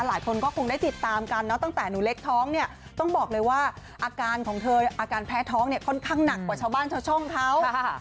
หลายคนก็คงได้ติดตามกันเนอะตั้งแต่หนูเล็กท้องเนี่ยต้องบอกเลยว่าอาการของเธออาการแพ้ท้องเนี่ยค่อนข้างหนักกว่าชาวบ้านชาวช่องเขา